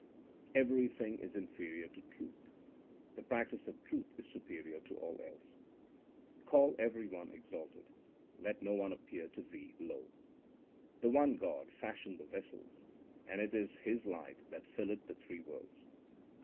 Everything is inferior to truth ; the practice of truth is superior to all else. Call every one exalted ; let no one appear to thee low. The one God fashioned the vessels, and it is His light that filleth the three worlds.